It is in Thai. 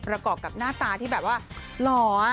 ประกอบกับหน้าตาที่แบบว่าหล่อ